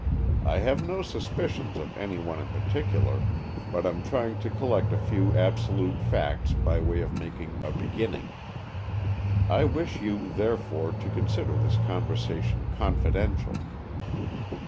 I have no suspicions of any one in particular, but I'm trying to collect a few absolute facts by way of making a beginning. I wish you, therefore, to consider this conversation confidential."